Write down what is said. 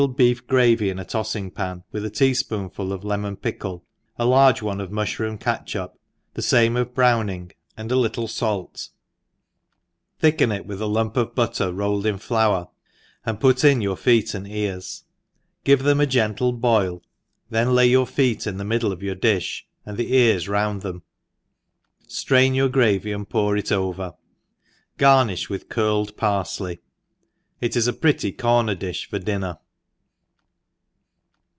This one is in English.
beef gravyin atoffing* «>an, with a tea fpoonful of lemon pickle, a large one of maihroom catchup, the fame of browoi ing, and'* a little fait, thicken it with a lump of butter rolled in iBour, and put in your feet and ears, give them a gentle boil, and then layyoar feet in the middle, of yot^r difli, and the ears round them; ftrain your gravy and pour it over : Garnifli with curled parflqy. — rr It is a pretty pprnef difli for dinner